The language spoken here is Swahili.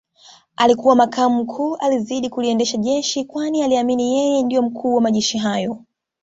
Alikuwa makamu mkuu alizidi kuliendesha jeshi kwani aliamini yeye ndio mkuu wa majeshi hayo